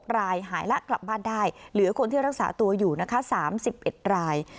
รายหายแล้วกลับบ้านได้เหลือคนที่รักษาตัวอยู่นะคะ๓๑ราย